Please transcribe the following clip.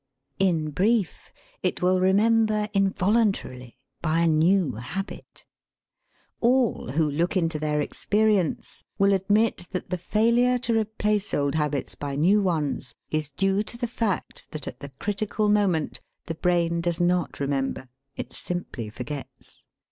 In brief, it will remember involuntarily, by a new habit. All who look into their experience will admit that the failure to replace old habits by new ones is due to the fact that at the critical moment the brain does not remember; it simply forgets.